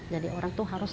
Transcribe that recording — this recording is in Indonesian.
jadi orang tuh harus